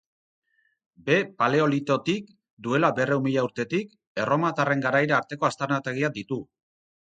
Behe Paleolitotik, duela berrehun mila urtetik, erromatarren garaira arteko aztarnategiak ditu.